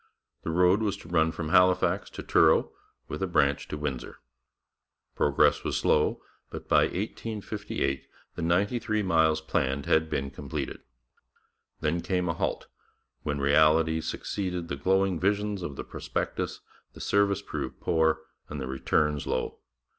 The road was to run from Halifax to Truro, with a branch to Windsor. Progress was slow, but by 1858 the ninety three miles planned had been completed. Then came a halt, when reality succeeded the glowing visions of the prospectus, the service proved poor, and the returns low.